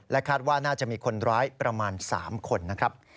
คาดว่าน่าจะมีคนร้ายประมาณ๓คนนะครับ